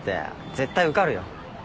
絶対受かるよ。